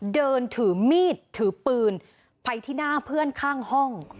เดินถือมีดถือปืนไปที่หน้าเพื่อนข้างห้อง